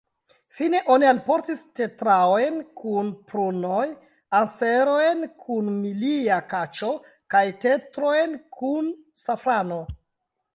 Fine oni alportis tetraojn kun prunoj, anserojn kun milia kaĉo kaj tetrojn kun safrano.